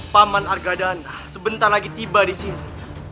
paman argadana sebentar lagi tiba di sini